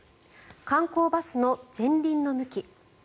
観光バスの前輪の向き。